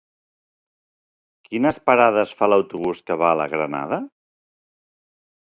Quines parades fa l'autobús que va a la Granada?